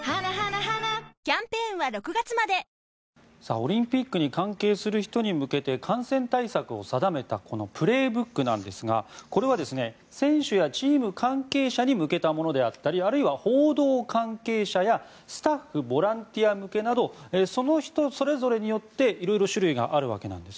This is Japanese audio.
オリンピックに関係する人に向けて感染対策を定めたこの「プレーブック」なんですがこれは選手やチーム関係者に向けたものであったりあるいは報道関係者やスタッフ、ボランティア向けなどその人それぞれによって色々種類があるわけです。